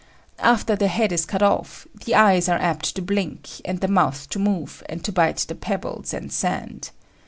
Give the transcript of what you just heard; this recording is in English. After the head is cut off, the eyes are apt to blink, and the mouth to move, and to bite the pebbles and sand.